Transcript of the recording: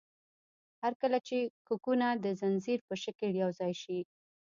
هر کله چې کوکونه د ځنځیر په شکل یوځای شي.